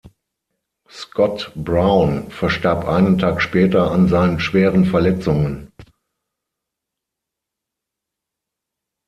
Scott-Brown verstarb einen Tag später an seinen schweren Verletzungen.